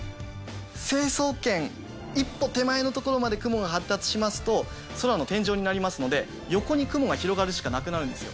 成層圏一歩手前の所まで雲が発達しますと空の天井になりますので横に雲が広がるしかなくなるんですよ。